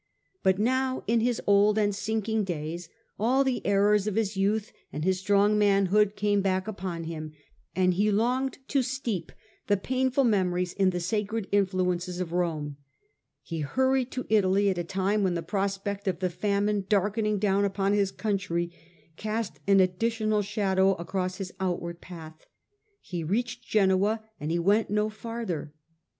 But now in his old and sinking days all the errors of his youth and his strong manhood came back upon him, and he longed to steep the painful memories in the sacred influences of Rome. He hurried to Italy at a time when the prospect of the famine darkening down upon his country cast an additional shadow across his outward path. He reached Genoa, and he went no farther.